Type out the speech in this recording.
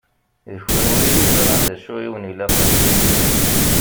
D kenwi i yeẓṛan d acu i wen-ilaqen.